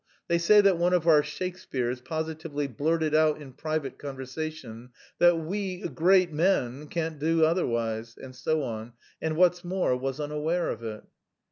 They say that one of our Shakespeares positively blurted out in private conversation that "we great men can't do otherwise," and so on, and, what's more, was unaware of it.